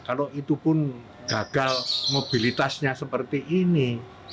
kalau itu pun gagal mobilitasnya seperti ini